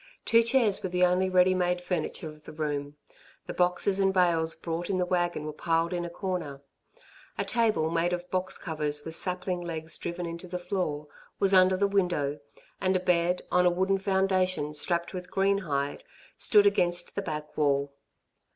Two chairs were the only ready made furniture of the room. The boxes and bales brought in the wagon were piled in a corner. A table, made of box covers with sapling legs driven into the floor, was under the window, and a bed, on a wooden foundation strapped with green hide, stood against the back wall.